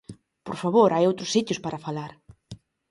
Por favor, hai outros sitios para falar.